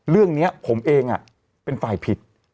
เรื่องนี้ผมเองเป็นฝ่ายผิด